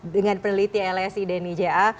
dengan penelitian lsi dan ija